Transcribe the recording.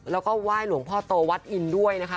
แล้วก็ไหว้หลวงพ่อโตวัดอินด้วยนะคะ